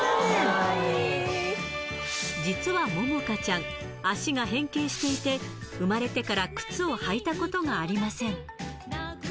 実はももかちゃん、脚が変形していて、生まれてから靴を履いたことがありません。